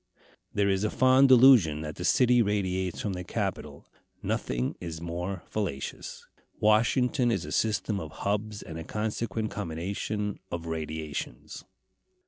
There is a fond delusion that the city radiates from the Capitol. Nothing is more fallacious. Washington is a system of hubs, and a consequent combination of radiations.